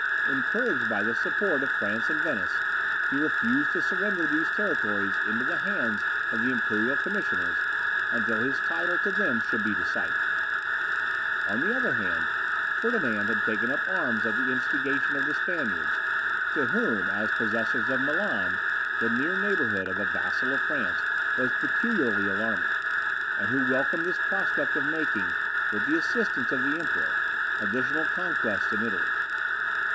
Encouraged by the support of France and Venice, he refused to surrender these territories into the hands of the imperial commissioners, until his title to them should be decided. On the other hand, Ferdinand had taken up arms at the instigation of the Spaniards, to whom, as possessors of Milan, the near neighbourhood of a vassal of France was peculiarly alarming, and who welcomed this prospect of making, with the assistance of the Emperor, additional conquests in Italy.